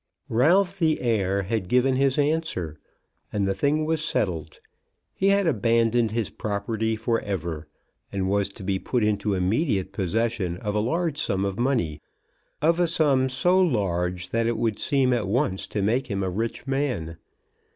Ralph the heir had given his answer, and the thing was settled. He had abandoned his property for ever, and was to be put into immediate possession of a large sum of money, of a sum so large that it would seem at once to make him a rich man.